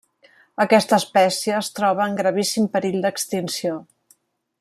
Aquesta espècie es troba en gravíssim perill d'extinció.